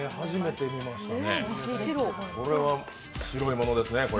初めて見ましたね。